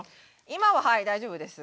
今ははい大丈夫です。